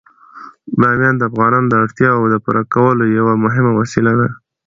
بامیان د افغانانو د اړتیاوو د پوره کولو یوه مهمه وسیله ده.